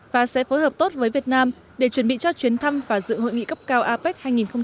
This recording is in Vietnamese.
và sẽ phối hợp tốt với việt nam để chuẩn bị cho chuyến thăm và dự hội nghị cấp cao apec hai nghìn hai mươi